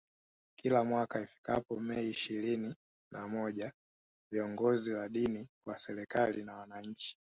Kila mwaka ifikapo Mei ishirinina moja viongozi wa dini wa serikali na wananchi